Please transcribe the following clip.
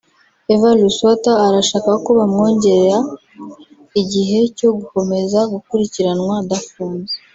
Eva Luswata ashaka ko bamwongera igihe cyo gukomeza gukurikiranwa adafunze